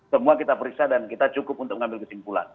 semua kita periksa dan kita cukup untuk mengambil kesimpulan